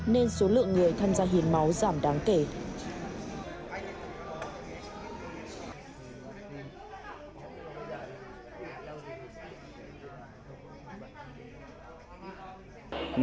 nên số lượng người tham gia hiến máu giảm đáng kể